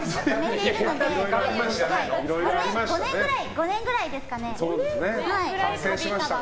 ５年くらいですかね。